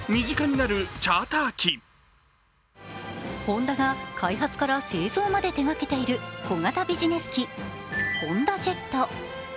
ホンダが開発から製造まで手がけている小型ビジネス機、ホンダジェット。